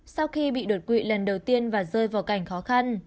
sau khi bị đột quỵ lần đầu tiên và rơi vào cảnh khó khăn